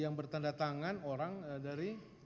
yang bertanda tangan orang dari